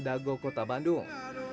dago kota bandung